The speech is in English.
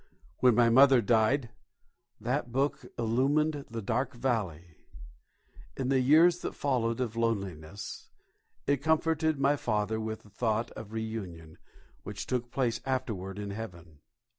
When my mother died that book illumined the dark valley. In the years that followed of loneliness, it comforted my father with the thought of reunion, which took place afterward in Heaven.